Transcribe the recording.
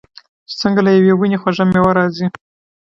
چې څنګه له یوې ونې خوږه میوه راځي.